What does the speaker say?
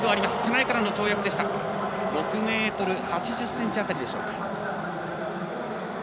６ｍ８０ｃｍ辺りでしょうか。